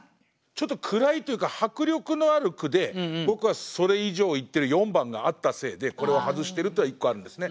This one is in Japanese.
ちょっと暗いというか迫力のある句で僕はそれ以上をいってる４番があったせいでこれを外してるっていうのが一個あるんですね。